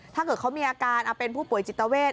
ถ้าเกิดเขามีอาการเป็นผู้ป่วยจิตเวท